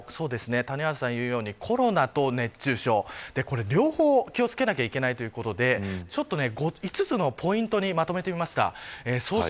特にコロナと熱中症両方気を付けなきゃいけないということで５つのポイントにまとめてみました。